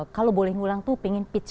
kalau boleh ngulang tuh pengen pitch